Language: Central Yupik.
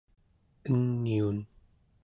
eniun